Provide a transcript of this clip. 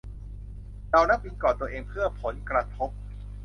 เหล่านักบินกอดตัวเองเพื่อผลกระทบ